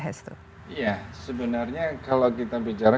hestu iya sebenarnya kalau kita bicara